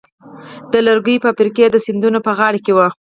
د لرګیو فابریکې د سیندونو په غاړه وې.